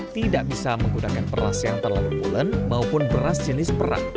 tidak bisa menggunakan beras yang terlalu bulen maupun beras jenis perang